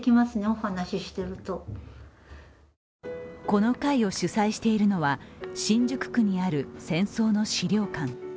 この会を主催しているのは新宿区にある戦争の資料館。